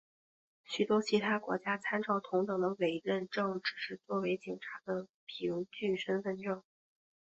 许多其他国家参照同等的委任证只是作为警察的凭据身份证。